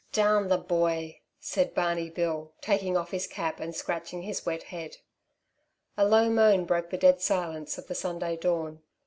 "Darn the boy!" said Barney Bill, taking off his cap and scratching his wet head. A low moan broke the dead silence of the Sunday dawn.